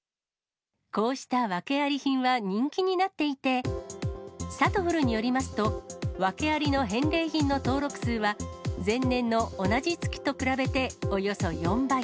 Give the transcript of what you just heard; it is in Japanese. こうした訳あり品は人気になっていて、さとふるによりますと、訳ありの返礼品の登録数は、前年の同じ月と比べておよそ４倍。